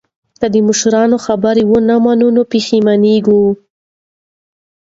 که د مشرانو خبره ومنو نو نه پښیمانیږو.